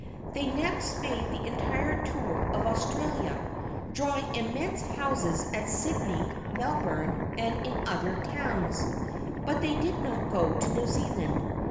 They next made the entire tour of Australia, drawing immense houses at Sydney, Melbourne, and in other towns, but they did not go to New Zealand.